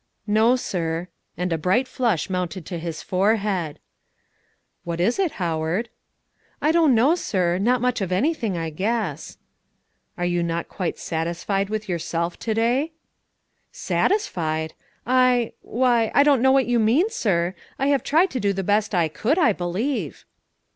"No, sir." And a bright flush mounted to his forehead. "What is it, Howard?" "I don't know, sir; not much of anything, I guess." "Are you not quite satisfied with yourself to day?" "Satisfied! I why I don't know what you mean, sir; I have tried to do the best I could, I believe."